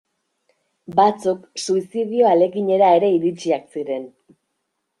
Batzuk suizidio ahaleginera ere iritsiak ziren.